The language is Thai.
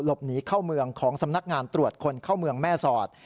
หนีเข้าเมืองของสำนักงานตรวจคนเข้าเมืองแม่สอด